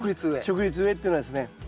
直立植えっていうのはですね